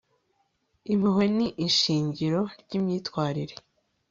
impuhwe ni ishingiro ry'imyitwarire